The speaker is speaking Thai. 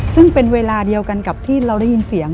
ซึ่งเป็นเวลาเดียวกันกับที่เราได้ยินเสียง